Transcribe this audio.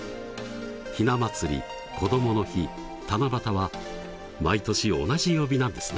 ひな祭りこどもの日七夕は毎年同じ曜日なんですね。